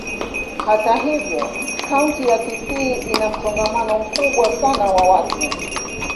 Hata hivyo, kaunti ya Kisii ina msongamano mkubwa sana wa watu.